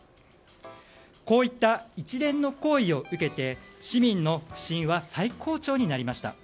こういった一連の行為を受けて市民の不信は最高潮になりました。